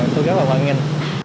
tôi rất là văn nghìn